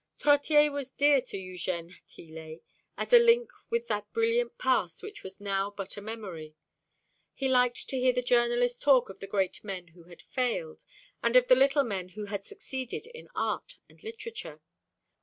Trottier was dear to Eugène Tillet as a link with that brilliant past which was now but a memory. He liked to hear the journalist talk of the great men who had failed, and of the little men who had succeeded in art and literature.